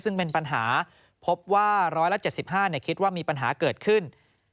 ซึ่งเป็นปัญหาพบว่า๑๗๕คิดว่ามีปัญหาเกิดขึ้น